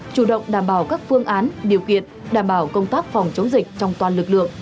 chủ động đảm bảo các phương án điều kiện đảm bảo công tác phòng chống dịch trong toàn lực lượng